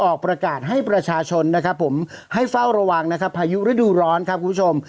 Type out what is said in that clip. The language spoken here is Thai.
ออกประกาศให้ประชาชนให้เฝ้าระวังภายุฤดูร้อนครับคุณผู้ชม